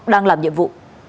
đang làm nhiệm vụ